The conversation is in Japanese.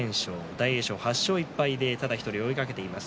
大栄翔、８勝１敗ただ１人、追いかけています。